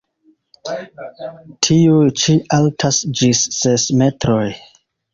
Tiuj ĉi altas ĝis ses metroj.